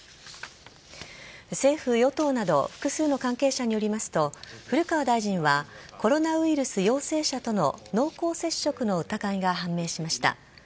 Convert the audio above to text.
政府与党など複数の関係者によりますと古川大臣はコロナウイルス陽性者との濃厚接触の疑いが判明しました。